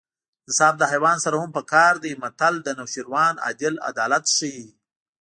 انصاف له حیوان سره هم په کار دی متل د نوشیروان عادل عدالت ښيي